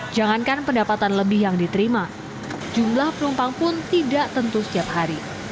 jangankan pendapatan lebih yang diterima jumlah penumpang pun tidak tentu setiap hari